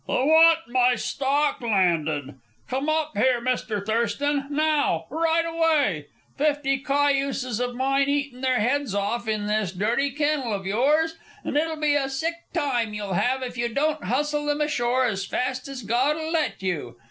"I want my stock landed! Come up here, Mr. Thurston! Now! Right away! Fifty cayuses of | mine eating their heads off in this dirty kennel of yours, and it'll be a sick time you'll have if you don't hustle them ashore as fast as God'll let you!